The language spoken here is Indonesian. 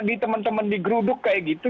di teman teman di geruduk kayak gitu